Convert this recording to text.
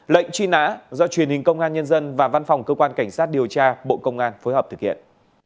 lệnh truy nã do truyền hình công an nhân dân và văn phòng cơ quan cảnh sát điều tra bộ công an phối hợp thực hiện